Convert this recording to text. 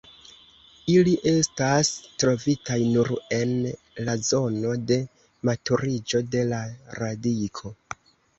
Ili estas trovitaj nur en la zono de maturiĝo de la radiko.